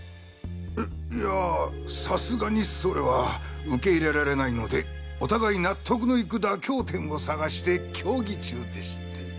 いいやさすがにそれは受け入れられないのでお互い納得のいく妥協点を探して協議中でして。